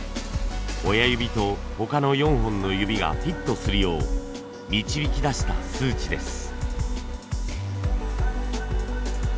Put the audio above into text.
親指と他の４本の指がフィットするよう導き出した数値です。